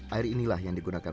air inilah yang digunakan